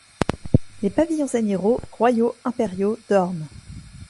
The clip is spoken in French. Les pavillons amiraux, royaux, impériaux, dorment.